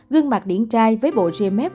gương mặt điển trai với bộ rìa mép